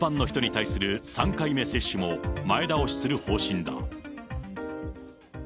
政府は３月以降、一般の人に対する３回目接種を前倒しする方針だ。